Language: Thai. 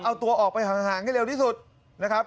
เอาตัวออกไปห่างให้เร็วที่สุดนะครับ